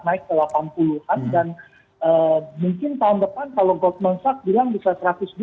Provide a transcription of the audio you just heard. naik ke delapan puluh an dan mungkin tahun depan kalau gordman sars bilang bisa satu ratus dua puluh